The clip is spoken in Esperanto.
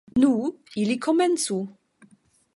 Nu, ili komencu!